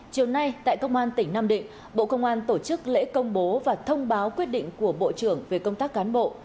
chiều nay tại công an tỉnh nam định bộ công an tổ chức lễ công bố và thông báo quyết định của bộ trưởng về công tác cán bộ